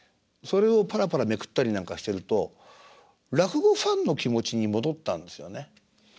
それをパラパラめくったりなんかしてると落語ファンの気持ちに戻ったんですよね。